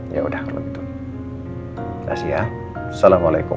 ya udah kalau gitu